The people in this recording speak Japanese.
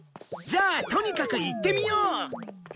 じゃあとにかく行ってみよう！